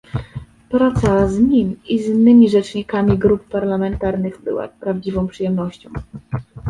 Praca z nim i z innymi rzecznikami grup parlamentarnych była prawdziwą przyjemnością